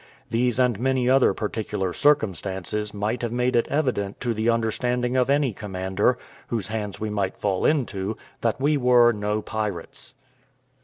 These, and many other particular circumstances, might have made it evident to the understanding of any commander, whose hands we might fall into, that we were no pirates.